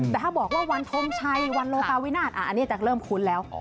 แต่ถ้าบอกว่าวันทงชัยวันโลกาวินาศอันนี้จะเริ่มคุ้นแล้ว